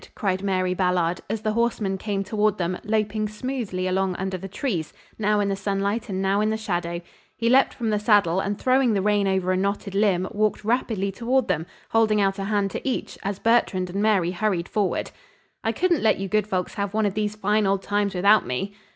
cried Mary Ballard, as the horseman came toward them, loping smoothly along under the trees, now in the sunlight and now in the shadow. He leaped from the saddle, and, throwing the rein over a knotted limb, walked rapidly toward them, holding out a hand to each, as Bertrand and Mary hurried forward. "I couldn't let you good folks have one of these fine old times without me."